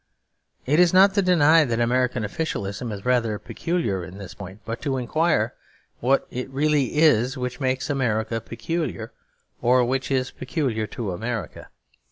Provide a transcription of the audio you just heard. It is not to deny that American officialism is rather peculiar on this point, but to inquire what it really is which makes America peculiar, or which is peculiar to America.